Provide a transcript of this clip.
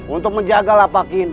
untuk menjaga lapak ini